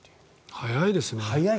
早いですね。